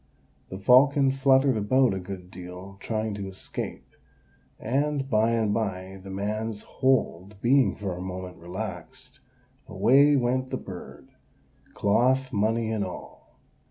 The falcon fluttered about a good deal, trying to escape; and, by and by, the man's hold being for a moment relaxed, away went the bird, cloth, money, and all.